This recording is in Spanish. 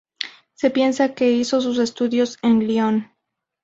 Se piensa que hizo sus estudios en Lyon.